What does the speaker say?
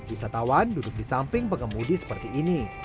wisatawan duduk di samping pengemudi seperti ini